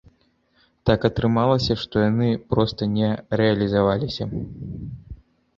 Так атрымалася, што яны проста не рэалізаваліся.